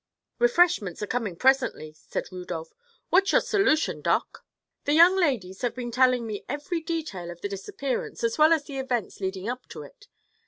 "Refreshments are coming presently," said Rudolph. "What's your solution, Doc?" "The young ladies have been telling me every detail of the disappearance, as well as the events leading up to it.